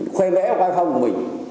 khoe vẽ hoai phong của mình